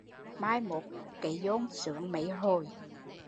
Mai mốt cấy giôn sướng mấy hồi